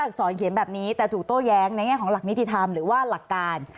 อรเขียนแบบนี้แต่ถูกโต้แย้งในแง่ของหลักนิติธรรมหรือว่าหลักการ